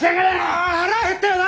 ああ腹減ったよな！